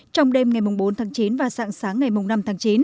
trong đêm ngày bốn tháng chín và sáng sáng ngày năm tháng chín